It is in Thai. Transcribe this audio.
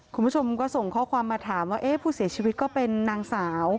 คุณผู้ชมก็ส่งข้อความมาถามว่าเอ๊ะผู้เสียชีวิตก็เป็นนางสาว